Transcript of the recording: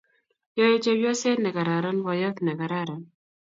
Yoe chepyoset negararan boyot negararan